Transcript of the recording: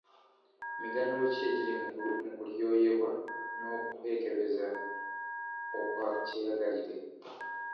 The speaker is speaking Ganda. Miganyulo ki egiri mu kulyoyebwa n’okwekebeza okwa kyeyagalire?